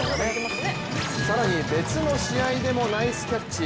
更に別の試合でもナイスキャッチ。